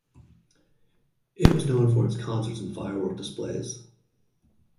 It was known for its concerts and firework displays.